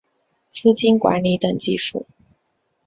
资金管理等技术